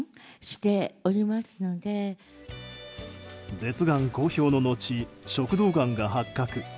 舌がん公表の後食道がんが発覚。